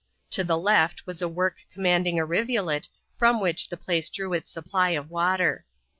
To the left was a work commanding a rivulet from which the place drew its supply of water.